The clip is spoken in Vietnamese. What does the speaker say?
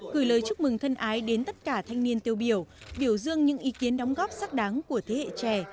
gửi lời chúc mừng thân ái đến tất cả thanh niên tiêu biểu biểu dương những ý kiến đóng góp sắc đáng của thế hệ trẻ